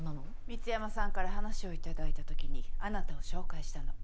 美津山さんから話を頂いた時にあなたを紹介したの。